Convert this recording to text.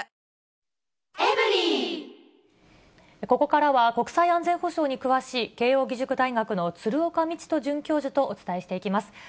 ここからは、国際安全保障に詳しい、慶応義塾大学の鶴岡路人准教授とお伝えしていきます。